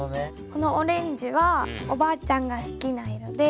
このオレンジはおばあちゃんが好きな色で。